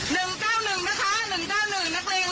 ๑๙๑นะคะ๑๙๑นักเรียงเหลือเกิน